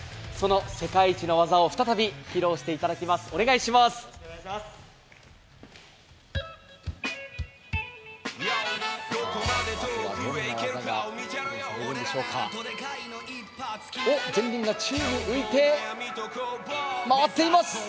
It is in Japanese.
その世界一の技を再び披露していただきます。